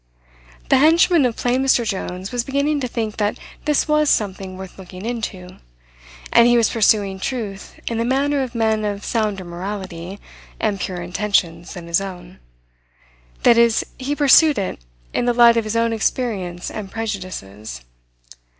The henchman of plain Mr. Jones was beginning to think that this was something worth looking into. And he was pursuing truth in the manner of men of sounder morality and purer intentions than his own; that is he pursued it in the light of his own experience and prejudices.